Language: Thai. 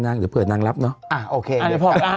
อยากจะเปิดนางรับอ่ะ